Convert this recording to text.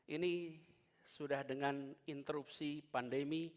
ini sudah dengan interupsi pandemi